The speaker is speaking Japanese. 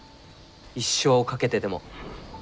一生を懸けてでも。